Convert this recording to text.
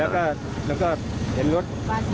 แล้วก็เห็นรถ